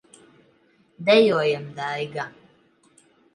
Dejojam, Daiga!